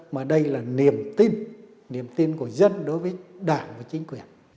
mà đây là niềm tin niềm tin của dân đối với đảng và chính quyền